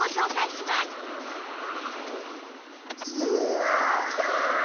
うわきた！